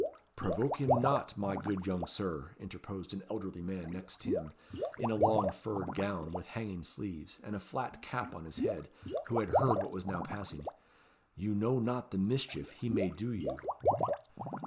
"Provoke him not, my good young Sir," interposed an elderly man, next him, in a long furred gown, with hanging sleeves, and a flat cap on his head, who had heard what was now passing. "You know not the mischief he may do you."